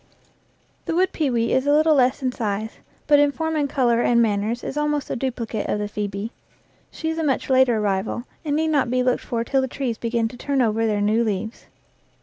The wood pewee is a little less in size, but in form and color and manners is almost the duplicate of phoebe. She is a much later arrival, and need not be looked for till the trees begin to turn over their new leaves.